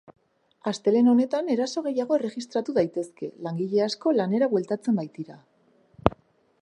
Astelehen honetan eraso gehiago erregistratu daitezke, langile asko lanera bueltatzen baitira.